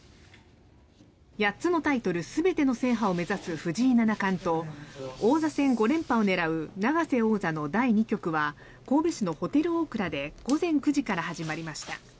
８つのタイトル全ての制覇を目指す藤井七冠と王座戦５連覇を狙う永瀬王座の第２局は神戸市のホテルオークラで午前９時から始まりました。